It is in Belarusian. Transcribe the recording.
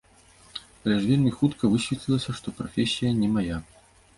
Але ж вельмі хутка высветлілася, што прафесія не мая.